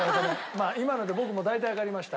まあ今ので僕も大体わかりました。